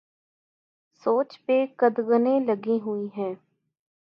سوچ پہ قدغنیں لگی ہوئی ہیں۔